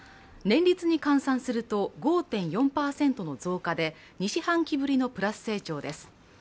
年率に換算すると５．４％の増加で２四半期ぶりのプラス成長です。